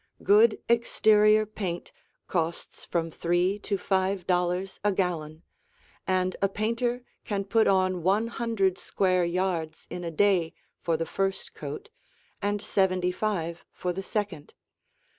Good exterior paint costs from three to five dollars a gallon, and a painter can put on one hundred square yards in a day for the first coat and seventy five for the second.